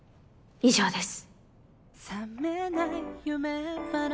以上です！